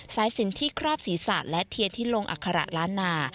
สินที่คราบศีรษะและเทียนที่ลงอัคระล้านนา